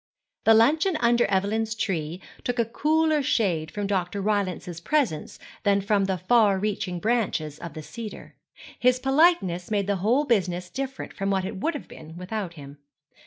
The luncheon under Evelyn's tree took a cooler shade from Dr. Rylance's presence than from the far reaching branches of the cedar. His politeness made the whole business different from what it would have been without him.